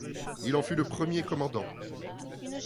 Il en fut le premier commandant.